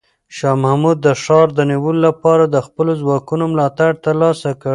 شاه محمود د ښار د نیولو لپاره د خپلو ځواکونو ملاتړ ترلاسه کړ.